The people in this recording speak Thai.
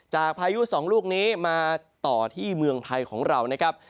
พายุสองลูกนี้มาต่อที่เมืองไทยของเรานะครับ